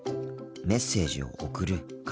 メッセージを送るか。